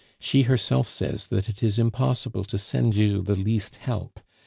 She herself says that it is impossible to send you the least help.